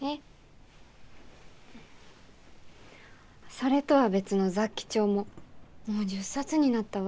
それとは別の雑記帳ももう１０冊になったわ。